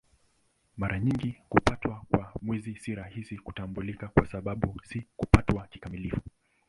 Mara nyingi kupatwa kwa Mwezi si rahisi kutambulika kwa sababu si kupatwa kikamilifu.